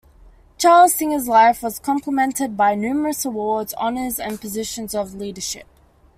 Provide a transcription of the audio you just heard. Charles Singer's life was complemented by numerous awards, honors, and positions of leadership.